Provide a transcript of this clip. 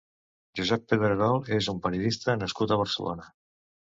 Josep Pedrerol és un periodista nascut a Barcelona.